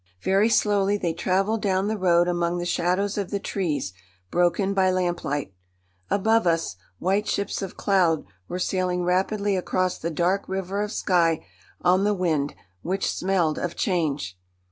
Very slowly they travelled down the road among the shadows of the trees broken by lamplight. Above us, white ships of cloud were sailing rapidly across the dark river of sky on the wind which smelled of change.